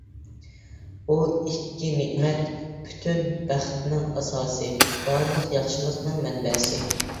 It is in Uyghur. ئۇ ئىككى نېمەت پۈتۈن بەختنىڭ ئاساسى، بارلىق ياخشىلىقنىڭ مەنبەسى.